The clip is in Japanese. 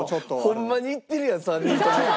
ホンマに行ってるやん３人とも。